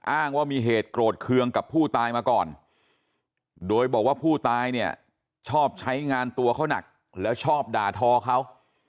อ้างว่ามีเหตุโกรธเคืองกับผู้ตายมาก่อนโดยบอกว่าผู้ตายเนี่ยชอบใช้งานตัวเขาหนักแล้วชอบด่าทอเขา